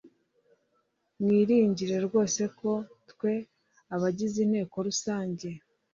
mwiringire rwose ko twe abagize inteko rusange